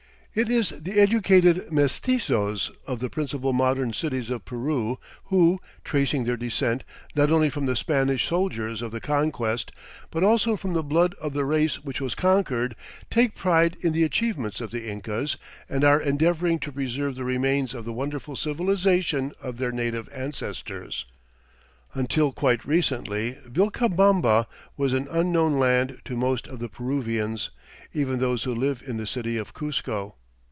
It is the educated mestizos of the principal modern cities of Peru who, tracing their descent not only from the Spanish soldiers of the Conquest, but also from the blood of the race which was conquered, take pride in the achievements of the Incas and are endeavoring to preserve the remains of the wonderful civilization of their native ancestors. Until quite recently Vilcabamba was an unknown land to most of the Peruvians, even those who live in the city of Cuzco.